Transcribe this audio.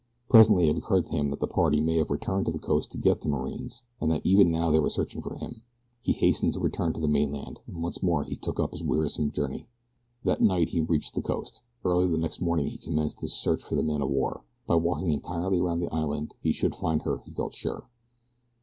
Presently it occurred to him that the party may have returned to the coast to get the marines, and that even now they were searching for him. He hastened to return to the mainland, and once more he took up his wearisome journey. That night he reached the coast. Early the next morning he commenced his search for the man of war. By walking entirely around the island he should find her he felt sure.